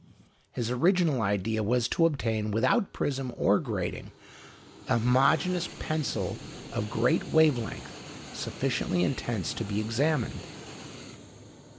His original idea was to obtain, without prism or grating, a homogeneous pencil of great wave length sufficiently intense to be examined.